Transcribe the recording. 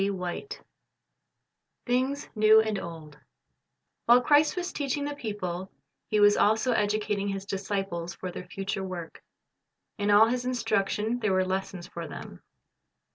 33: II Things N evo and Old" TT Zl/ILE Christ was teaching the people, He was also educating His disciples for their future work. In all His instruction there were lessons for them.